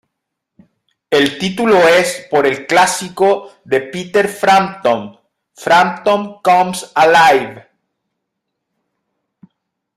El título es por el clásico de Peter Frampton, "Frampton Comes Alive!".